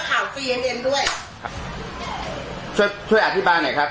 คุณรู้หรือเปล่าล่ะครับ